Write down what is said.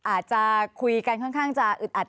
อาจจะคุยกันค่อนข้างจะอึดอัด